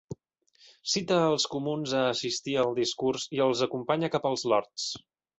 Cita als Comuns a assistir al discurs i els acompanya cap als Lords.